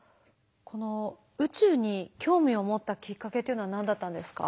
この宇宙に興味を持ったきっかけっていうのは何だったんですか？